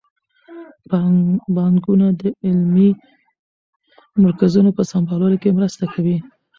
بانکونه د علمي مرکزونو په سمبالولو کې مرسته کوي.